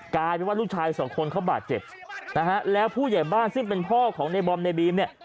กลายเป็นว่าลูกชายสองคนเขาบาดเจ็บนะฮะแล้วผู้ใหญ่บ้านซึ่งเป็นพ่อของในบอมในบีมเนี่ย